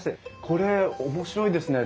これ面白いですね。